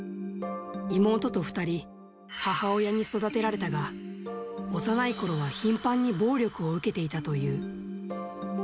妹と２人、母親に育てられたが、幼いころは頻繁に暴力を受けていたという。